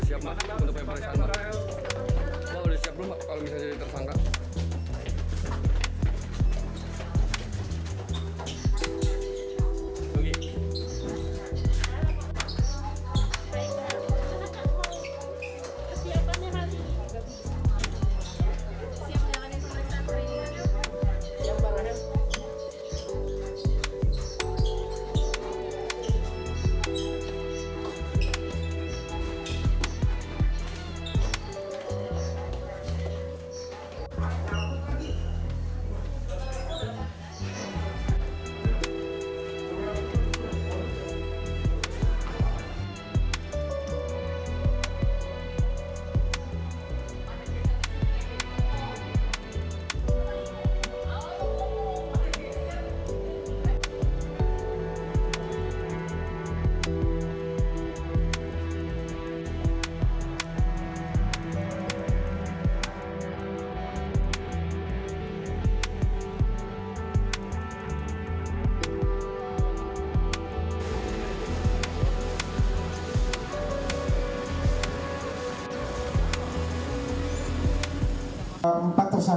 gimana udah siap maksudnya percaya